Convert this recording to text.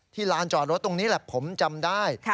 ลานจอดรถตรงนี้แหละผมจำได้